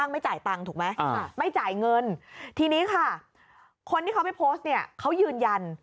ไม่จ่ายเงินทีนี้ค่ะคนที่เขาไปโพสต์เนี้ยเขายืนยัน